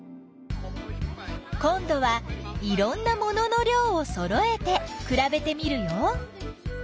こんどはいろんなものの量をそろえてくらべてみるよ。